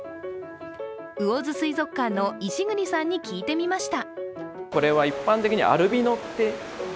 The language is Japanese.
魚津水族館の石栗さんに聞いてみました。